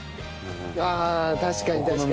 ああ確かに確かに。